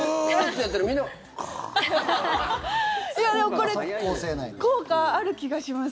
これ効果ある気がします。